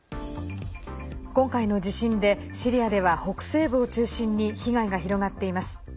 今回の地震でシリアでは北西部を中心に被害が広がっています。